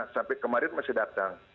sampai kemarin masih datang